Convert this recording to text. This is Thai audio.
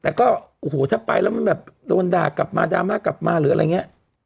แต่ก็โอ้โหถ้าไปแล้วมันแบบโดนด่ากลับมาดราม่ากลับมาหรืออะไรอย่างนี้